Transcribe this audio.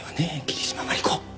桐島万里子。